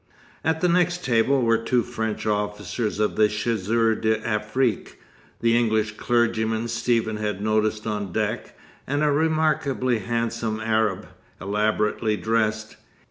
At the next table were two French officers of the Chasseurs d'Afrique, the English clergyman Stephen had noticed on deck, and a remarkably handsome Arab, elaborately dressed.